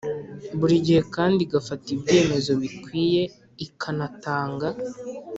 Buri gihe kandi igafata ibyemezo bikwiye ikanatanga